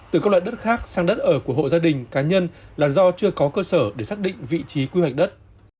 từ các loại đất khác sang đất ở của hộ gia đình cá nhân là do chưa có cơ sở để xác định vị trí quy hoạch đất